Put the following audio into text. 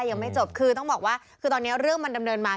ยังไม่จบคือต้องบอกว่าคือตอนนี้เรื่องมันดำเนินมา